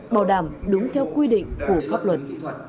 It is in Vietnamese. bảo đảm đúng theo quy định của pháp luật